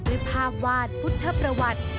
ด้วยภาพวาดพุทธประวัติ